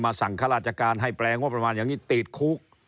มาสั่งข้าราชการที่แปลงแบบนี้ติดคุก